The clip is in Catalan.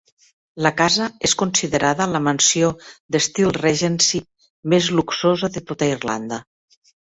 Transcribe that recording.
La casa és considerada la mansió d'estil Regency més luxosa de tota Irlanda.